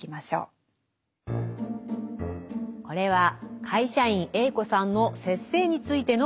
これは会社員Ａ子さんの「節制」についてのお話です。